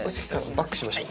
バックしましょう。